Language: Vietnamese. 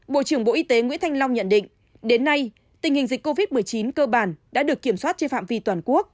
bộ trưởng bộ y tế nguyễn thanh long nhận định đến nay tình hình dịch covid một mươi chín cơ bản đã được kiểm soát trên phạm vi toàn quốc